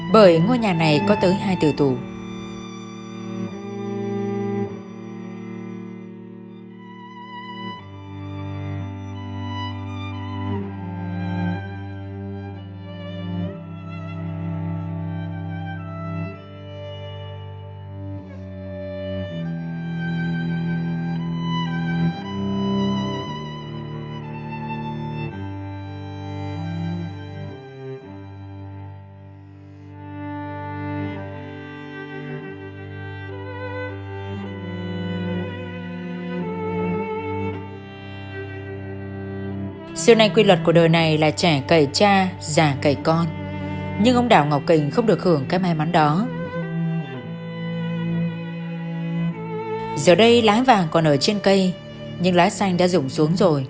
bởi ngôi nhà này có tới hai từ tù